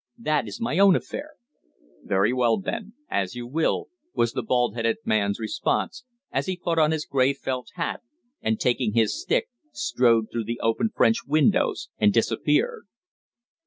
"That is my own affair." "Very well, then. As you will," was the bald headed man's response, as he put on his grey felt hat and, taking his stick, strode through the open French windows and disappeared.